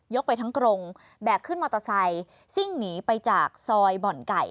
ไปทั้งกรงแบกขึ้นมอเตอร์ไซค์ซิ่งหนีไปจากซอยบ่อนไก่